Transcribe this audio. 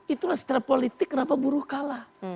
itu lah secara politik kenapa buruh kalah